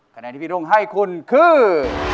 คะแนนที่พี่รุ่งให้คุณคือ